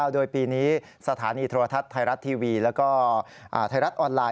โดยปีนี้สถานีโทรทัศน์ไทยรัฐทีวีแล้วก็ไทยรัฐออนไลน